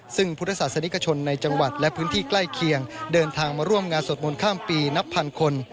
ซึ่งพุทธศาสนิกชนในจังหวัดและพื้นที่ใกล้เคียงเดินทางมาร่วมงานสวดมนต์ข้ามปีนับพันคน